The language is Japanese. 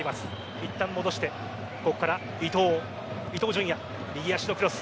いったん戻してここから伊東右足のクロス。